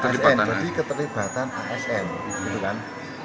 jadi keterlibatan asn